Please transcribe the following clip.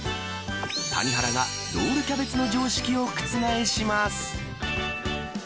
谷原がロールキャベツの常識を覆します。